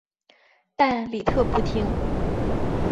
但李特不听。